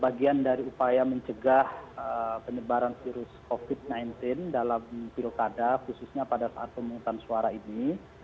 bagian dari upaya mencegah penyebaran virus covid sembilan belas dalam pilkada khususnya pada saat pemungutan suara ini